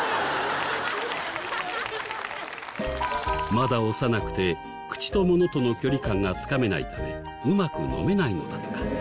まだ幼くて口と物との距離感がつかめないためうまく飲めないのだとか。